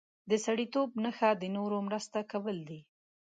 د سړیتوب نښه د نورو مرسته کول دي.